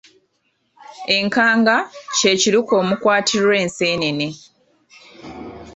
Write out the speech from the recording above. Enkanga kye kiruke omukwatirwa enseenene.